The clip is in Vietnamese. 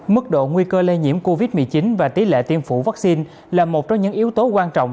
mức độ nguy cơ lây nhiễm covid một mươi chín và tỷ lệ tiêm phủ vaccine là một trong những yếu tố quan trọng